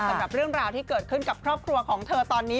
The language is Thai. สำหรับเรื่องราวที่เกิดขึ้นกับครอบครัวของเธอตอนนี้